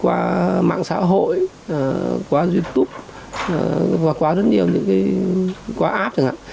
qua mạng xã hội qua youtube và qua rất nhiều những cái qua app chẳng hạn